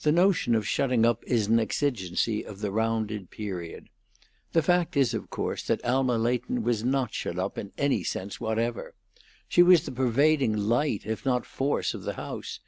The notion of shutting up is an exigency of the rounded period. The fact is, of course, that Alma Leighton was not shut up in any sense whatever. She was the pervading light, if not force, of the house.